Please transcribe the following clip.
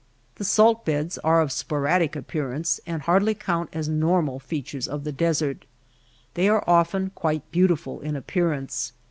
The salt beds are of sporadic appearance and hardly count as normal features of the desert. They are often quite beautiful in appearance.